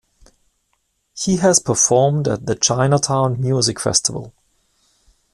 He has performed at the Chinatown Music Festival.